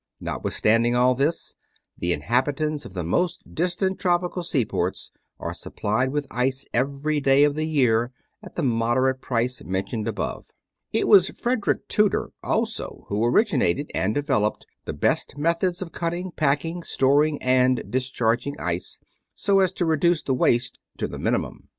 Notwithstanding all this, the inhabitants of the most distant tropical seaports are supplied with ice every day of the year at the moderate price mentioned above. It was Frederick Tudor also who originated and developed the best methods of cutting, packing, storing, and discharging ice, so as to reduce the waste to the minimum.